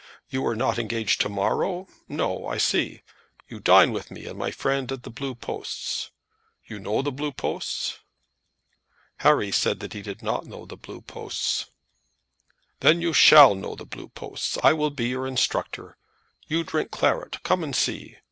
You are not engaged to morrow? No, I see. You dine with me and my friend at the Blue Posts. You know the Blue Posts?" Harry said he did not know the Blue Posts. "Then you shall know the Blue Posts. I will be your instructor. You drink claret. Come and see.